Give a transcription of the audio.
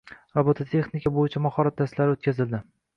Robototexnika bo‘yicha mahorat darslari o‘tkazildi